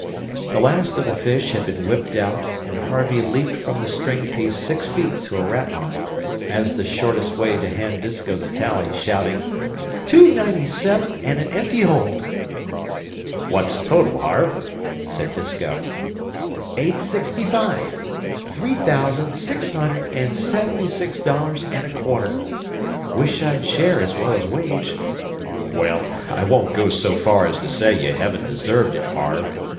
The last of the fish had been whipped out, and Harvey leaped from the string piece six feet to a ratline, as the shortest way to hand Disko the tally, shouting, "Two ninety seven, and an empty hold!" "What's the total, Harve?" said Disko. "Eight sixty five. Three thousand six hundred and seventy six dollars and a quarter. 'Wish I'd share as well as wage." "Well, I won't go so far as to say you hevn't deserved it, Harve.